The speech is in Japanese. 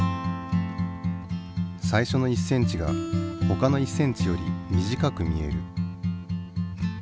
最初の１ｃｍがほかの１ｃｍより短く見える。